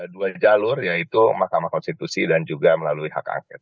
dua jalur yaitu mahkamah konstitusi dan juga melalui hak angket